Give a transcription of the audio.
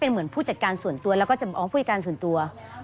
เพื่อที่จะได้หายป่วยทันวันที่เขาชีจันทร์จังหวัดชนบุรี